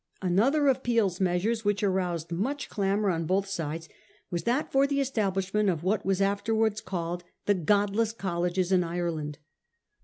Another of Peel's measures which aroused much clamour on both sides was that for the establishment of what were afterwards called the 'godless colleges' in Ireland.